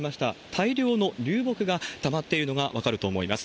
大量の流木がたまっているのが分かると思います。